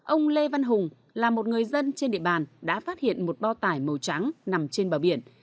ông lê văn hùng là một người dân trên địa bàn đã phát hiện một bao tải màu trắng nằm trên bờ biển